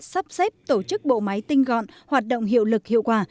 sắp xếp tổ chức bộ máy tinh gọn hoạt động hiệu lực hiệu quả